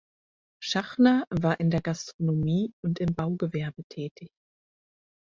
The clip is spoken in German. Schachner war in der Gastronomie und im Baugewerbe tätig.